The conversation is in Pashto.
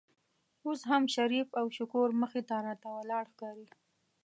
اوس هم شریف او شکور مخې ته راته ولاړ ښکاري.